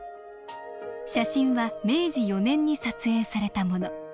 写真は明治４年に撮影されたもの。